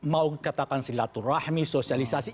mau katakan silaturahmi sosialisasi